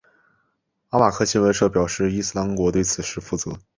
阿马克新闻社表示伊斯兰国对此事负责。